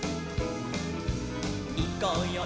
「いこうよい